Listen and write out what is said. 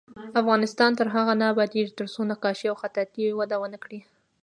افغانستان تر هغو نه ابادیږي، ترڅو نقاشي او خطاطي وده ونه کړي.